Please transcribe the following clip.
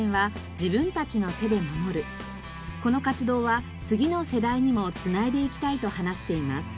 この活動は次の世代にも繋いでいきたいと話しています。